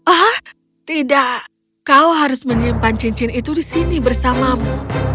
ah tidak kau harus menyimpan cincin itu di sini bersamamu